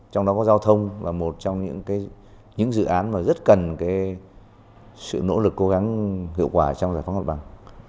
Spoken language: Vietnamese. trong đó có giao thông là một trong những dự án mà rất cần sự nỗ lực cố gắng hiệu quả trong giải phóng mặt bằng